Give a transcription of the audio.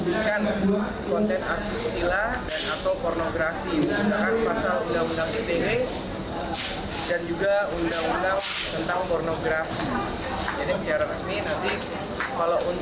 bukanlah tubuh kelainnya